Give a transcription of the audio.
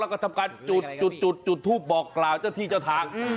แล้วก็ทำการจุดจุดทูปบอกกล่าวเจ้าที่เจ้าทาง